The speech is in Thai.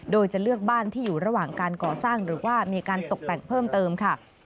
โดยจะเลือกบ้านที่อยู่ระหว่างการก่อสร้างหรือว่ามีการตกแต่งเพิ่มเติมค่ะ